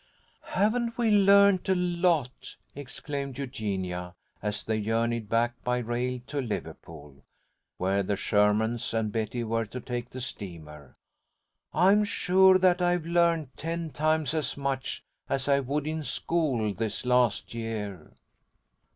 "Haven't we learned a lot!" exclaimed Eugenia, as they journeyed back by rail to Liverpool, where the Shermans and Betty were to take the steamer. "I'm sure that I've learned ten times as much as I would in school, this last year."